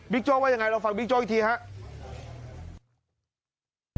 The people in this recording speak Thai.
บิ๊กโจ๊กว่ายังไงเราฟังบิ๊กโจ๊กอีกทีครับ